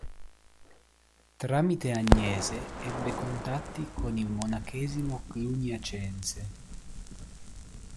Tramite Agnese ebbe contatti con il monachesimo cluniacense.